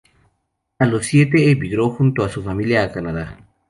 A los siete emigró junto a su familia a Canadá.